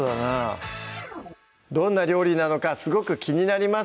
どんな料理なのかすごく気になります